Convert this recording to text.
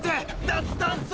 脱炭素！